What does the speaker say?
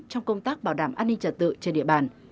trong công tác bảo đảm an ninh trật tự trên địa bàn